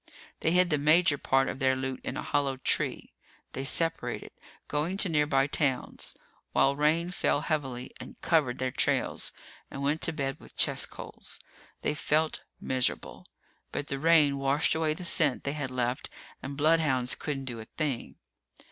They hid the major part of their loot in a hollow tree. They separated, going to nearby towns while rain fell heavily and covered their trails and went to bed with chest colds. They felt miserable. But the rain washed away the scent they had left and bloodhounds couldn't do a thing.